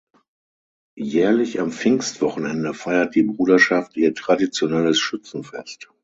Jährlich am Pfingstwochenende feiert die Bruderschaft ihr traditionelles Schützenfest.